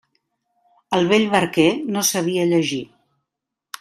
El vell barquer no sabia llegir.